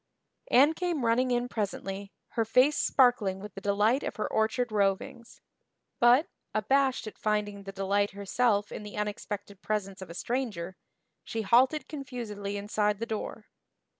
Anne came running in presently, her face sparkling with the delight of her orchard rovings; but, abashed at finding the delight herself in the unexpected presence of a stranger, she halted confusedly inside the door.